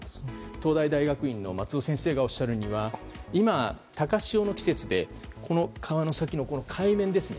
東大大学院の松尾先生がおっしゃるには今、高潮の季節で川の先の海面ですね